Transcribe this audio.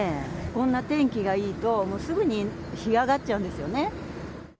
こんな天気がいいと、すぐに干上がっちゃうんですよね。